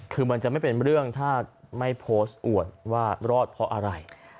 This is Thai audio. คือมันจะไม่เป็นเรื่องถ้าไม่โพสต์อ่วนว่ารอดเพราะอะไร